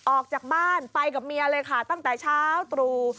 ออกจากบ้านไปกับเมียเลยค่ะตั้งแต่เช้าตรู่